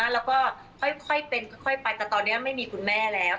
แล้วก็ค่อยเป็นค่อยไปแต่ตอนนี้ไม่มีคุณแม่แล้ว